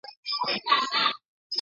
伊拉克的战争系数为三。